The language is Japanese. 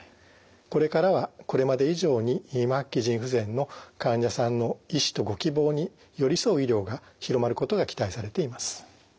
これからはこれまで以上に末期腎不全の患者さんの意思とご希望に寄り添う医療が広まることが期待されています。